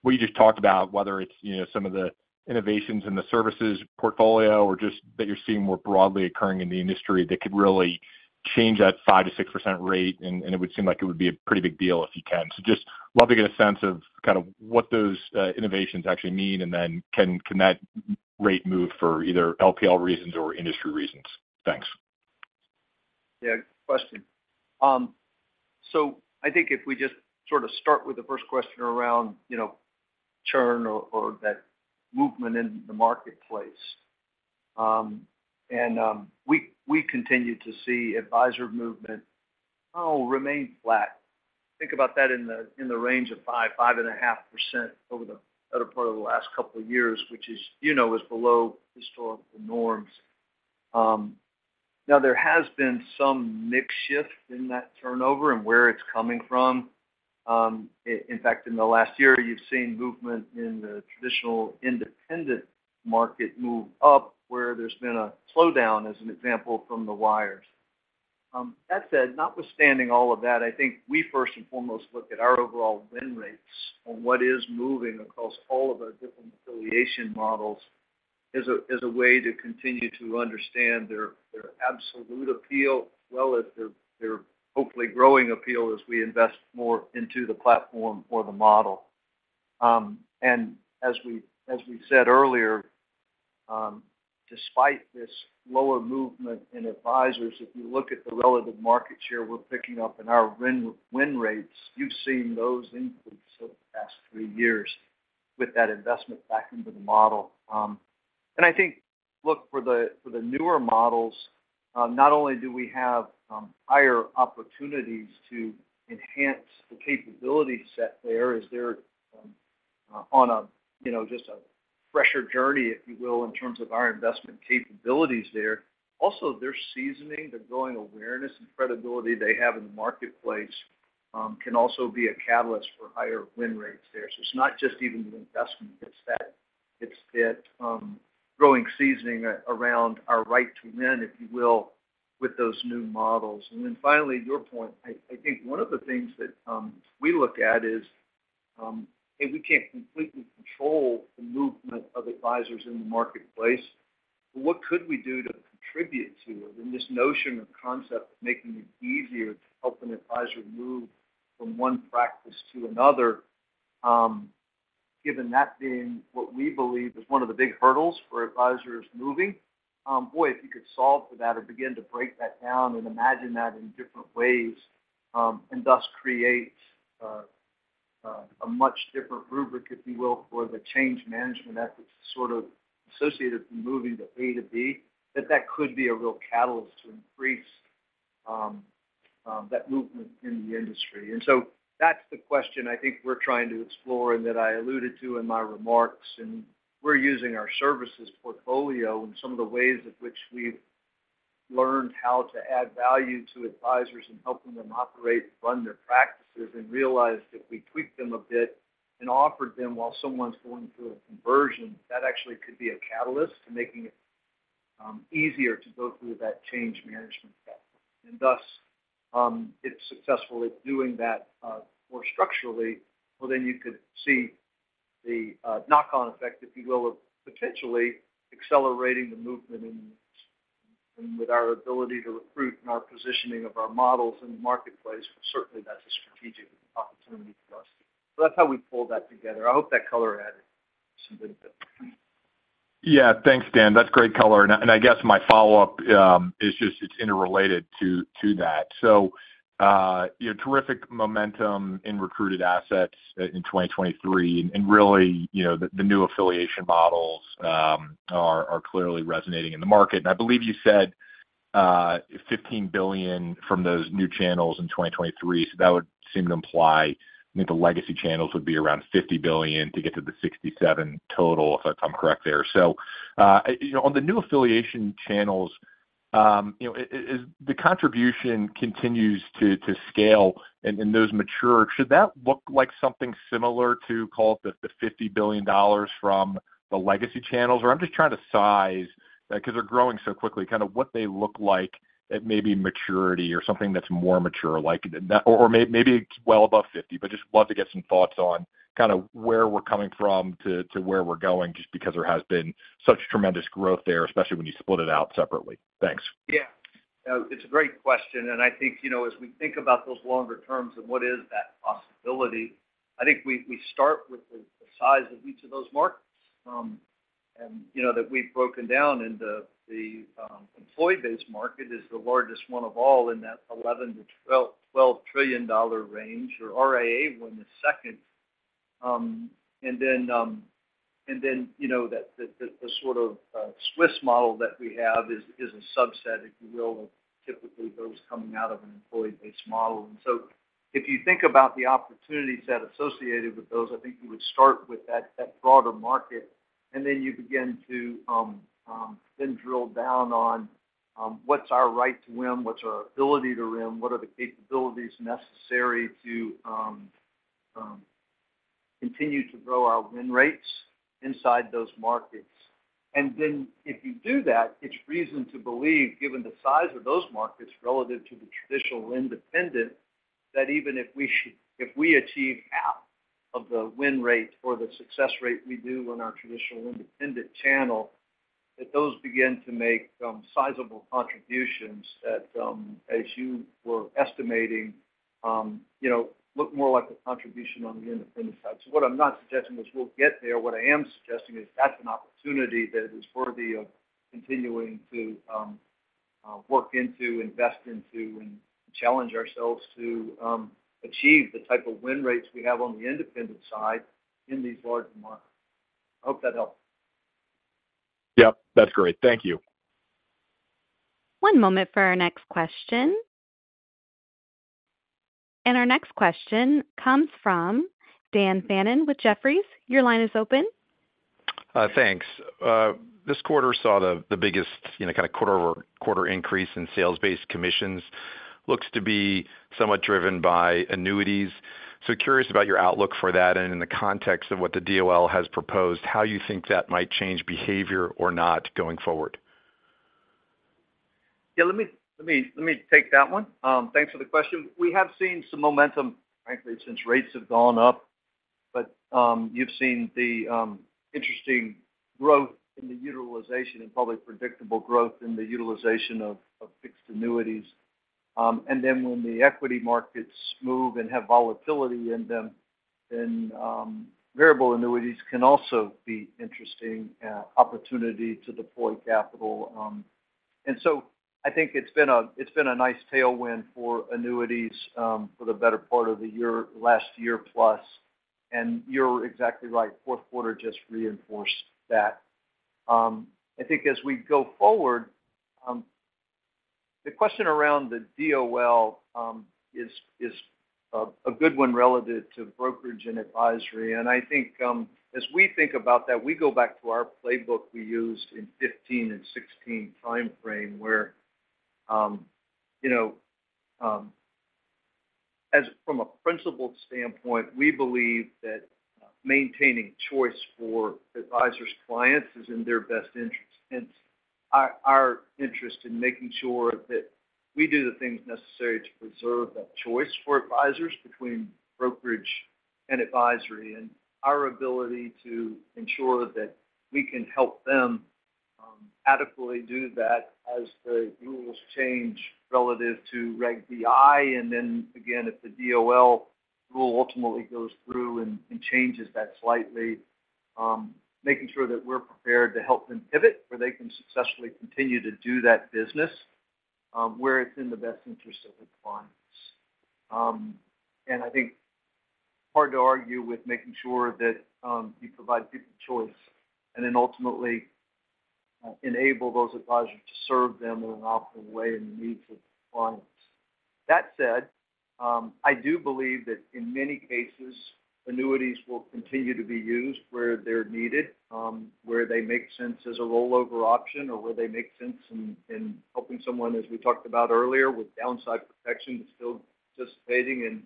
on what you just talked about, whether it's, you know, some of the innovations in the services portfolio or just that you're seeing more broadly occurring in the industry, that could really change that 5% to 6% rate, and, and it would seem like it would be a pretty big deal if you can. Just love to get a sense of kind of what those innovations actually mean, and then can that rate move for either LPL reasons or industry reasons? Thanks. Yeah, good question. So I think if we just sort of start with the first question around, you know, churn or, or that movement in the marketplace. And we continue to see advisor movement remain flat. Think about that in the range of 5% to 5.5% over the other part of the last couple of years, which is, you know, below historical norms. Now there has been some mix shift in that turnover and where it's coming from. In fact, in the last year, you've seen movement in the traditional independent market move up, where there's been a slowdown, as an example, from the wires. That said, notwithstanding all of that, I think we first and foremost look at our overall win rates on what is moving across all of our different affiliation models as a way to continue to understand their absolute appeal, as well as their hopefully growing appeal as we invest more into the platform or the model. And as we said earlier, despite this lower movement in advisors, if you look at the relative market share we're picking up in our win rates, you've seen those increase over the past three years with that investment back into the model. And I think, look, for the newer models, not only do we have higher opportunities to enhance the capability set there, as they're on a, you know, just a fresher journey, if you will, in terms of our investment capabilities there. Also, their seasoning, the growing awareness and credibility they have in the marketplace can also be a catalyst for higher win rates there. So it's not just even the investment, it's that growing seasoning around our right to win, if you will, with those new models. And then finally, your point, I think one of the things that we look at is if we can't completely control the movement of advisors in the marketplace, what could we do to contribute to it? This notion or concept of making it easier to help an advisor move from one practice to another, given that being what we believe is one of the big hurdles for advisors moving, boy, if you could solve for that or begin to break that down and imagine that in different ways, and thus create a much different rubric, if you will, for the change management efforts sort of associated with moving to A to B, that could be a real catalyst to increase that movement in the industry. And so that's the question I think we're trying to explore and that I alluded to in my remarks. We're using our services portfolio and some of the ways in which we've learned how to add value to advisors and helping them operate, run their practices, and realize that if we tweaked them a bit and offered them while someone's going through a conversion, that actually could be a catalyst to making it easier to go through that change management step. Thus, if successful at doing that, more structurally, well, then you could see the knock-on effect, if you will, of potentially accelerating the movement in with our ability to recruit and our positioning of our models in the marketplace. Certainly, that's a strategic opportunity for us. So that's how we pulled that together. I hope that color added some good bit. Yeah. Thanks, Dan. That's great color. And I guess my follow-up is just it's interrelated to that. So, you know, terrific momentum in recruited assets in 2023, and really, you know, the new affiliation models are clearly resonating in the market. And I believe you said $15 billion from those new channels in 2023. So that would seem to imply, I think the legacy channels would be around $50 billion to get to the 67 total, if I'm correct there. So, you know, on the new affiliation channels, you know, the contribution continues to scale and those mature, should that look like something similar to call it the $50 billion from the legacy channels? Or I'm just trying to size, because they're growing so quickly, kind of what they look like at maybe maturity or something that's more mature, like, or maybe well above 50. But just love to get some thoughts on kind of where we're coming from to where we're going, just because there has been such tremendous growth there, especially when you split it out separately. Thanks. Yeah... It's a great question, and I think, you know, as we think about those longer terms and what is that possibility, I think we, we start with the, the size of each of those markets. And, you know, that we've broken down into the, employee-based market is the largest one of all in that $11 to $12 trillion dollar range, or RIA one is second. And then, you know, that the, the, the sort of, SWS model that we have is, is a subset, if you will, of typically those coming out of an employee-based model. And so if you think about the opportunities that are associated with those, I think you would start with that, that broader market, and then you begin to, then drill down on, what's our right to win, what's our ability to win, what are the capabilities necessary to, continue to grow our win rates inside those markets? And then if you do that, it's reason to believe, given the size of those markets relative to the traditional independent, that even if we if we achieve half of the win rate or the success rate we do in our traditional independent channel, that those begin to make, sizable contributions that, as you were estimating, you know, look more like a contribution on the independent side. So what I'm not suggesting is we'll get there. What I am suggesting is that's an opportunity that is worthy of continuing to work into, invest into, and challenge ourselves to achieve the type of win rates we have on the independent side in these larger markets. I hope that helps. Yep, that's great. Thank you. One moment for our next question. Our next question comes from Dan Fannon with Jefferies. Your line is open. Thanks. This quarter saw the biggest, you know, kind of quarter-over-quarter increase in sales-based commissions, looks to be somewhat driven by annuities. So curious about your outlook for that and in the context of what the DOL has proposed, how you think that might change behavior or not going forward? Yeah, let me take that one. Thanks for the question. We have seen some momentum, frankly, since rates have gone up. But you've seen the interesting growth in the utilization and probably predictable growth in the utilization of fixed annuities. And then when the equity markets move and have volatility in them, then variable annuities can also be interesting opportunity to deploy capital. And so I think it's been a nice tailwind for annuities for the better part of the year, last year plus. And you're exactly right, fourth quarter just reinforced that. I think as we go forward, the question around the DOL is a good one relative to brokerage and advisory. And I think, as we think about that, we go back to our playbook we used in 2015 and 2016 time frame, where, you know, as from a principle standpoint, we believe that maintaining choice for advisors' clients is in their best interest. Hence, our, our interest in making sure that we do the things necessary to preserve that choice for advisors between brokerage and advisory, and our ability to ensure that we can help them, adequately do that as the rules change relative to Reg BI. And then again, if the DOL rule ultimately goes through and, and changes that slightly, making sure that we're prepared to help them pivot, where they can successfully continue to do that business, where it's in the best interest of the clients. And I think hard to argue with making sure that you provide people choice and then ultimately enable those advisors to serve them in an optimal way in the needs of the clients. That said, I do believe that in many cases, annuities will continue to be used where they're needed, where they make sense as a rollover option or where they make sense in helping someone, as we talked about earlier, with downside protection, but still participating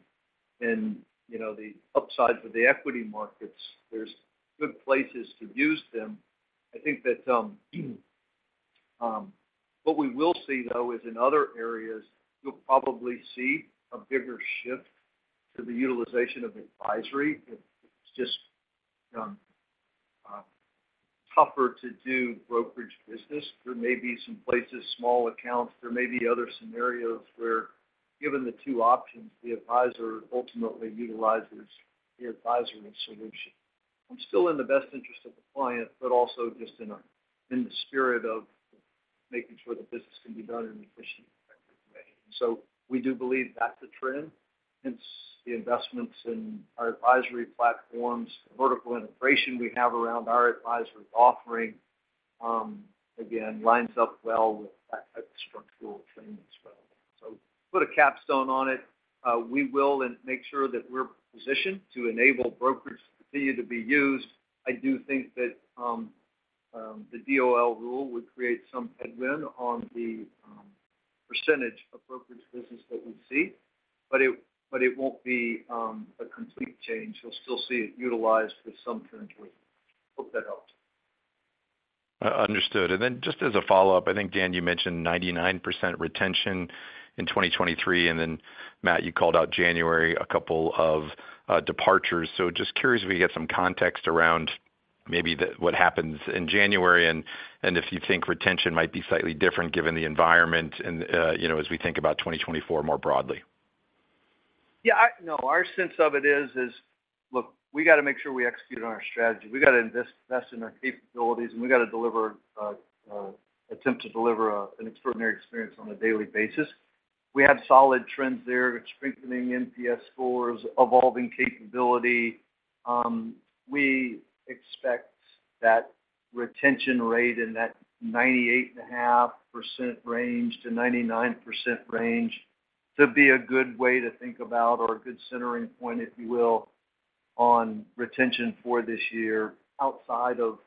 in, you know, the upsides of the equity markets. There's good places to use them. I think that what we will see, though, is in other areas, you'll probably see a bigger shift to the utilization of advisory. It's just tougher to do brokerage business. There may be some places, small accounts, there may be other scenarios where, given the two options, the advisor ultimately utilizes the advisory solution. It's still in the best interest of the client, but also just in the spirit of making sure the business can be done in an efficient and effective way. So we do believe that's a trend, hence, the investments in our advisory platforms, vertical integration we have around our advisory offering, again, lines up well with that structural trend as well. So put a capstone on it, we will and make sure that we're positioned to enable brokerage to continue to be used. I do think that the DOL rule would create some headwind on the percentage of brokerage business that we see, but it won't be a complete change. You'll still see it utilized with some frequency. Hope that helped. Understood. And then just as a follow-up, I think, Dan, you mentioned 99% retention in 2023, and then Matt, you called out January, a couple of departures. So just curious if we could get some context around maybe what happens in January, and if you think retention might be slightly different given the environment and, you know, as we think about 2024 more broadly? Yeah, no, our sense of it is, look, we got to make sure we execute on our strategy. We got to invest, invest in our capabilities, and we got to deliver, attempt to deliver, an extraordinary experience on a daily basis. We have solid trends there with strengthening NPS scores, evolving capability. We expect that retention rate in that 98.5% to 99% range to be a good way to think about or a good centering point, if you will, on retention for this year, outside of,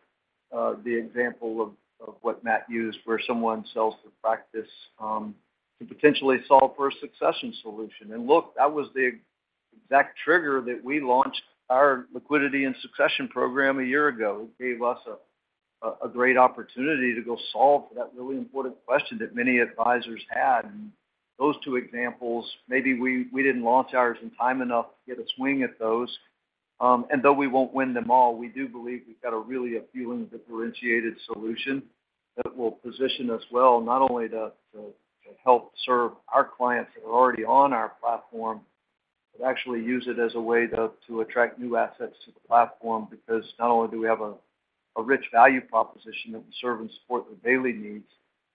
the example of what Matt used, where someone sells the practice, to potentially solve for a succession solution. And look, that was the exact trigger that we launched our Liquidity & Succession program a year ago. It gave us a great opportunity to go solve for that really important question that many advisors had. And those two examples, maybe we didn't launch ours in time enough to get a swing at those. And though we won't win them all, we do believe we've got a really differentiated solution that will position us well, not only to help serve our clients that are already on our platform, but actually use it as a way to attract new assets to the platform. Because not only do we have a rich value proposition that we serve and support their daily needs,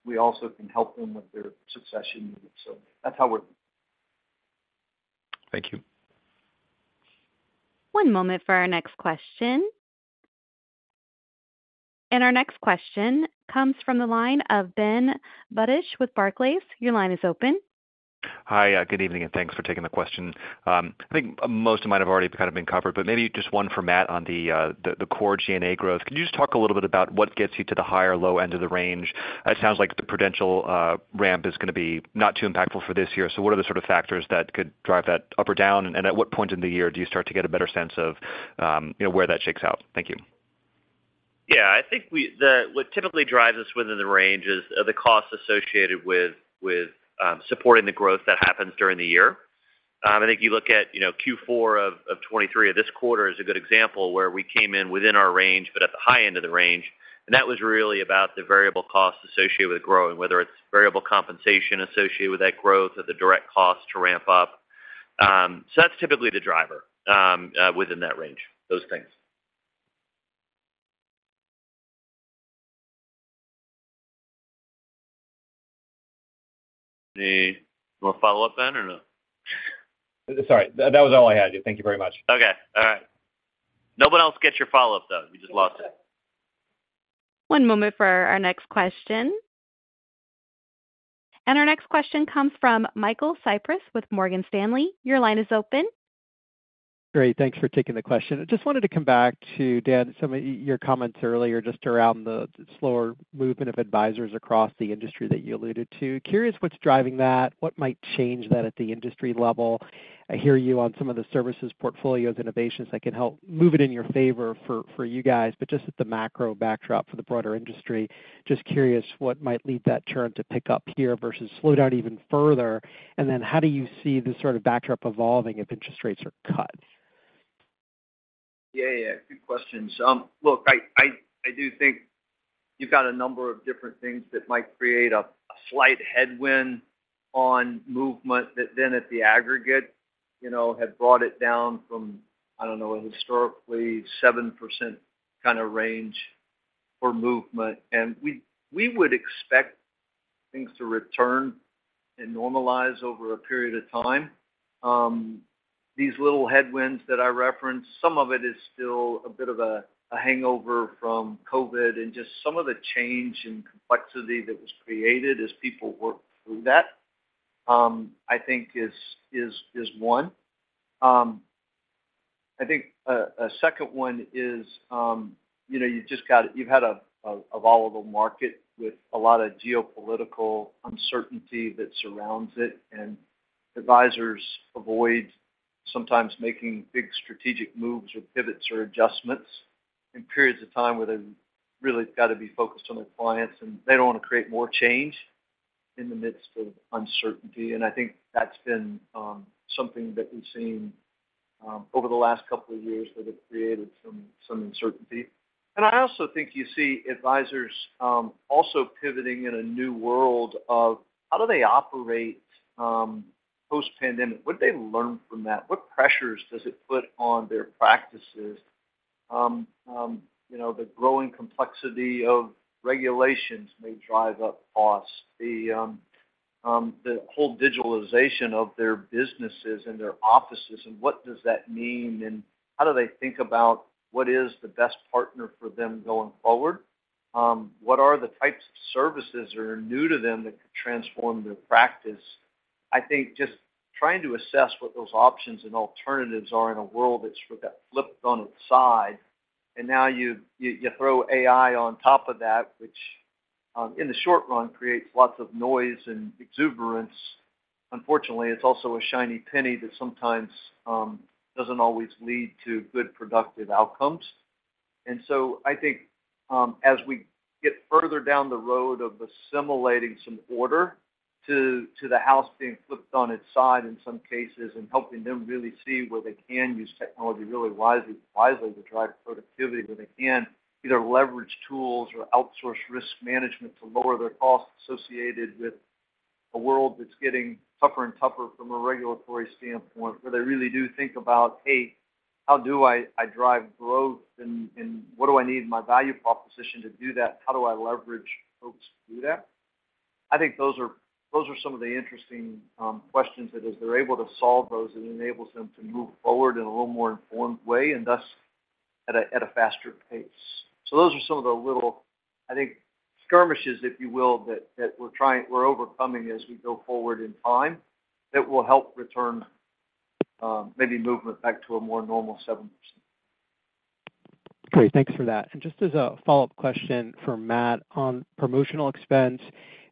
we also can help them with their succession needs. So that's how we're... Thank you. One moment for our next question. Our next question comes from the line of Ben Budish with Barclays. Your line is open. Hi, good evening, and thanks for taking the question. I think most of mine have already kind of been covered, but maybe just one for Matt on the, the Core G&A growth. Could you just talk a little bit about what gets you to the high or low end of the range? It sounds like the Prudential, ramp is going to be not too impactful for this year. So what are the sort of factors that could drive that up or down? And at what point in the year do you start to get a better sense of, you know, where that shakes out? Thank you. Yeah, I think we, what typically drives us within the range is, are the costs associated with, with, supporting the growth that happens during the year. I think you look at, you know, Q4 of 2023, or this quarter is a good example where we came in within our range, but at the high end of the range. And that was really about the variable costs associated with growing, whether it's variable compensation associated with that growth or the direct cost to ramp up. So that's typically the driver, within that range, those things. Any more follow-up, Ben, or no? Sorry, that was all I had. Thank you very much. Okay. All right. Nobody else gets your follow-up, though. We just lost it. One moment for our next question. Our next question comes from Michael Cyprys with Morgan Stanley. Your line is open. Great. Thanks for taking the question. I just wanted to come back to, Dan, some of your comments earlier, just around the slower movement of advisors across the industry that you alluded to. Curious what's driving that? What might change that at the industry level? I hear you on some of the services, portfolios, innovations that can help move it in your favor for, for you guys, but just at the macro backdrop for the broader industry, just curious what might lead that turn to pick up here versus slow down even further. And then how do you see the sort of backdrop evolving if interest rates are cut? Yeah, yeah. Good questions. Look, I do think you've got a number of different things that might create a slight headwind on movement, that then at the aggregate, you know, have brought it down from, I don't know, a historically 7% kind of range for movement. We would expect things to return and normalize over a period of time. These little headwinds that I referenced, some of it is still a bit of a hangover from COVID and just some of the change and complexity that was created as people worked through that, I think is one. I think a second one is, you know, you just got, you've had a volatile market with a lot of geopolitical uncertainty that surrounds it, and advisors avoid sometimes making big strategic moves or pivots or adjustments in periods of time where they've really got to be focused on their clients, and they don't want to create more change in the midst of uncertainty. And I think that's been something that we've seen over the last couple of years, where they've created some uncertainty. And I also think you see advisors also pivoting in a new world of how do they operate post-pandemic? What did they learn from that? What pressures does it put on their practices? You know, the growing complexity of regulations may drive up costs. The whole digitalization of their businesses and their offices, and what does that mean? And how do they think about what is the best partner for them going forward? What are the types of services that are new to them that could transform their practice? I think just trying to assess what those options and alternatives are in a world that's got flipped on its side, and now you, you, you throw AI on top of that, which, in the short run, creates lots of noise and exuberance. Unfortunately, it's also a shiny penny that sometimes doesn't always lead to good, productive outcomes. And so I think, as we get further down the road of assimilating some order to the house being flipped on its side in some cases, and helping them really see where they can use technology really wisely to drive productivity, where they can either leverage tools or outsource risk management to lower their costs associated with a world that's getting tougher and tougher from a regulatory standpoint, where they really do think about, "Hey, how do I drive growth, and what do I need in my value proposition to do that? How do I leverage folks to do that?" I think those are some of the interesting questions that as they're able to solve those, it enables them to move forward in a little more informed way, and thus, at a faster pace. So those are some of the little, I think, skirmishes, if you will, that we're trying, we're overcoming as we go forward in time, that will help return, maybe movement back to a more normal 7%. Great, thanks for that. And just as a follow-up question for Matt on promotional expense.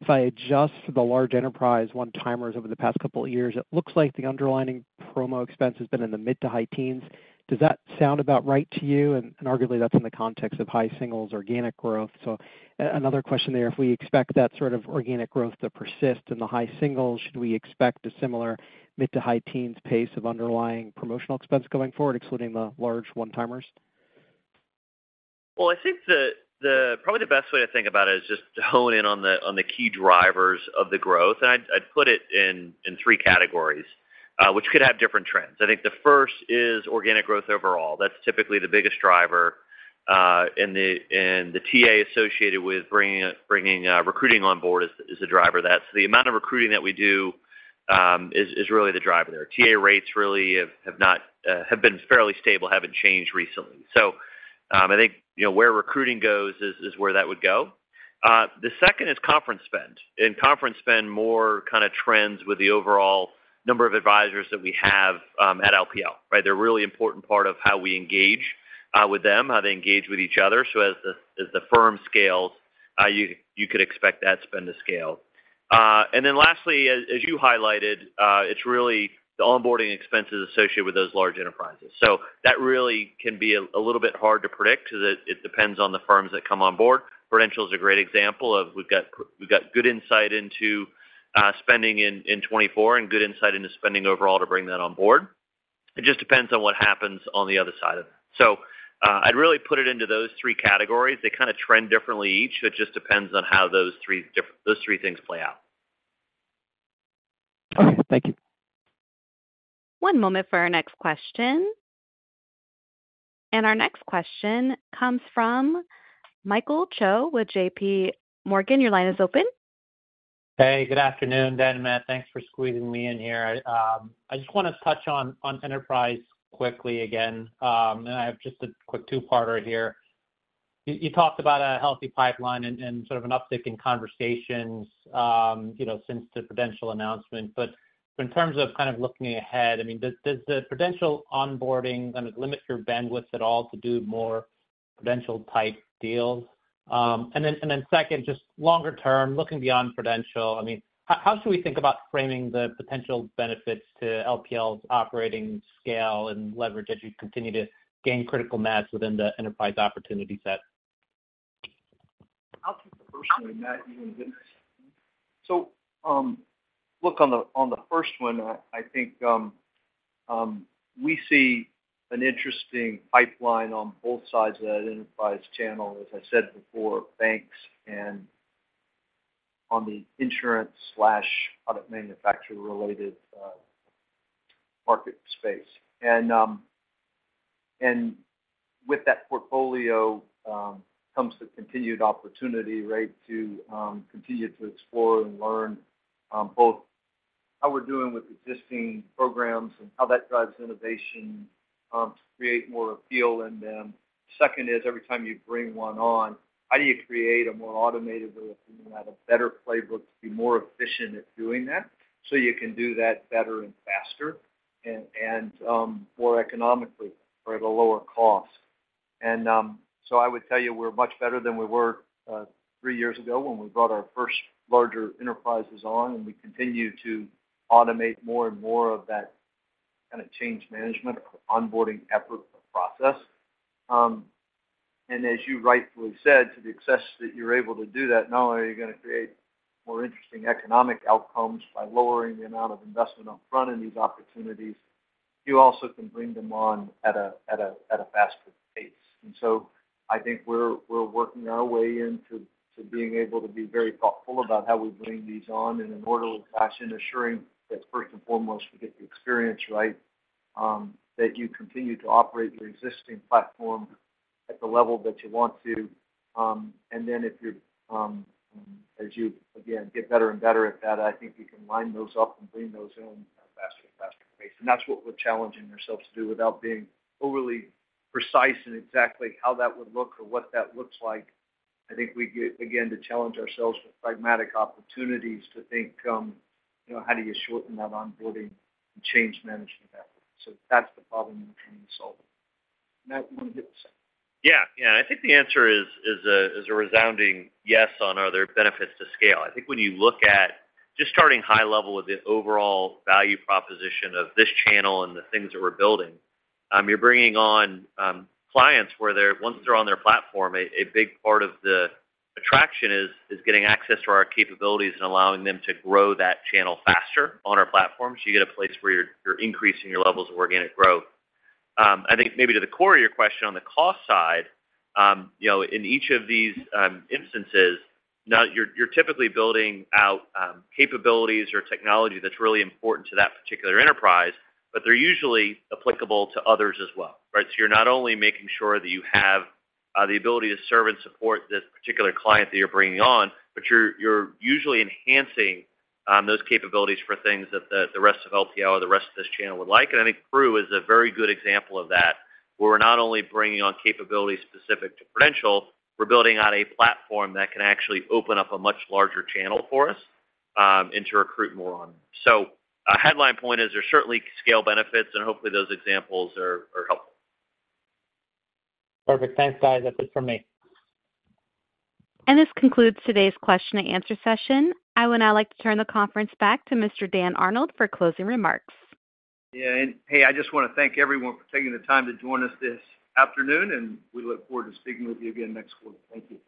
If I adjust for the large enterprise one-timers over the past couple of years, it looks like the underlying promo expense has been in the mid to high-teens. Does that sound about right to you? And arguably, that's in the context of high singles organic growth. So another question there, if we expect that sort of organic growth to persist in the high singles, should we expect a similar mid to high-teens pace of underlying promotional expense going forward, excluding the large one-timers? Well, I think probably the best way to think about it is just to hone in on the key drivers of the growth. And I'd put it in three categories, which could have different trends. I think the first is organic growth overall. That's typically the biggest driver, and the TA associated with bringing recruiting on board is a driver of that. So the amount of recruiting that we do is really the driver there. TA rates really have not been fairly stable, haven't changed recently. So, I think, you know, where recruiting goes is where that would go. The second is conference spend. In conference spend, more kinda trends with the overall number of advisors that we have at LPL, right? They're a really important part of how we engage with them, how they engage with each other. So as the firm scales, you could expect that spend to scale. And then lastly, as you highlighted, it's really the onboarding expenses associated with those large enterprises. So that really can be a little bit hard to predict because it depends on the firms that come on board. Prudential is a great example of we've got good insight into spending in 2024 and good insight into spending overall to bring that on board. It just depends on what happens on the other side of it. So, I'd really put it into those three categories. They kinda trend differently each, so it just depends on how those three things play out. Okay, thank you. One moment for our next question. Our next question comes from Michael Cho with JPMorgan. Your line is open. Hey, good afternoon, Dan and Matt. Thanks for squeezing me in here. I just wanna touch on enterprise quickly again, and I have just a quick two-parter here. You talked about a healthy pipeline and sort of an uptick in conversations, you know, since the Prudential announcement. But in terms of kind of looking ahead, I mean, does the Prudential onboarding gonna limit your bandwidth at all to do more Prudential-type deals? And then second, just longer term, looking beyond Prudential, I mean, how should we think about framing the potential benefits to LPL's operating scale and leverage as you continue to gain critical mass within the enterprise opportunity set? I'll take the first one, and Matt, you can get the second. So, look, on the first one, I think, we see an interesting pipeline on both sides of that enterprise channel, as I said before, banks and on the insurance/product manufacturer-related market space. And, and with that portfolio, comes the continued opportunity, right, to continue to explore and learn, both how we're doing with existing programs and how that drives innovation, to create more appeal in them. Second is, every time you bring one on, how do you create a more automated way of doing that, a better playbook to be more efficient at doing that, so you can do that better and faster and, and, more economically or at a lower cost? I would tell you we're much better than we were three years ago when we brought our first larger enterprises on, and we continue to automate more and more of that kind of change management or onboarding effort process. As you rightfully said, to the extent that you're able to do that, not only are you gonna create more interesting economic outcomes by lowering the amount of investment up front in these opportunities, you also can bring them on at a faster pace. I think we're working our way into being able to be very thoughtful about how we bring these on in an orderly fashion, ensuring that first and foremost, we get the experience right, that you continue to operate your existing platform at the level that you want to. And then if you're, as you, again, get better and better at that, I think you can line those up and bring those in at a faster and faster pace. And that's what we're challenging ourselves to do without being overly precise in exactly how that would look or what that looks like. I think we get, again, to challenge ourselves with pragmatic opportunities to think, you know, how do you shorten that onboarding and change management effort? So that's the problem we're trying to solve. Matt, you want to get the second? Yeah. Yeah, I think the answer is a resounding yes on are there benefits to scale. I think when you look at just starting high level with the overall value proposition of this channel and the things that we're building, you're bringing on clients where they're once they're on their platform, a big part of the attraction is getting access to our capabilities and allowing them to grow that channel faster on our platform. So you get a place where you're increasing your levels of organic growth. I think maybe to the core of your question on the cost side, you know, in each of these instances, now you're typically building out capabilities or technology that's really important to that particular enterprise, but they're usually applicable to others as well, right? So you're not only making sure that you have the ability to serve and support this particular client that you're bringing on, but you're usually enhancing those capabilities for things that the rest of LPL or the rest of this channel would like. And I think Pru is a very good example of that, where we're not only bringing on capabilities specific to Prudential, we're building out a platform that can actually open up a much larger channel for us and to recruit more on. So a headline point is there's certainly scale benefits, and hopefully those examples are helpful. Perfect. Thanks, guys. That's it for me. This concludes today's question and answer session. I would now like to turn the conference back to Mr. Dan Arnold for closing remarks. Yeah, and hey, I just wanna thank everyone for taking the time to join us this afternoon, and we look forward to speaking with you again next quarter. Thank you.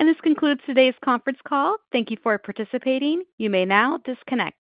This concludes today's conference call. Thank you for participating. You may now disconnect.